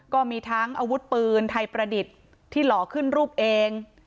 ก็มีทั้งอาวุธปืนไทยประดิษฐ์ที่หล่อขึ้นรูปเอง